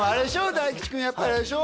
大吉君やっぱりあれでしょ？